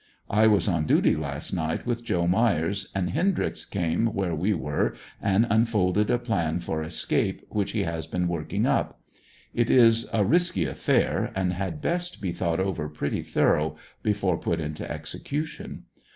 I was on duty last night with Joe Myers, and Hendryx came where we were and unfolded a plan for escape which he has been working up. It is a risky affair, and had best be thought over pretty thorough before put into execution.